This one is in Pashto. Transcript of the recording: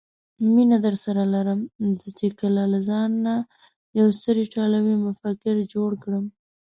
مینه درسره لرم، زه چې کله له ځانه یو ستر ایټالوي مفکر جوړ کړم.